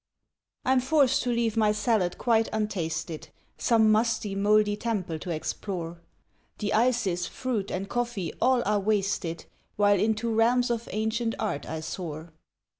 I'm forced to leave my salad quite untasted, Some musty, moldy temple to explore. The ices, fruit and coffee all are wasted While into realms of ancient art I soar.